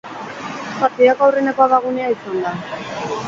Partidako aurreneko abagunea izan da.